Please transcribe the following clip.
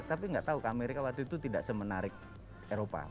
tapi gak tau amerika waktu itu tidak semenarik eropa